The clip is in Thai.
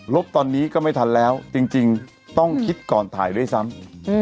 บตอนนี้ก็ไม่ทันแล้วจริงต้องคิดก่อนถ่ายด้วยซ้ำ